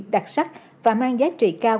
đặc sắc và mang giá trị cao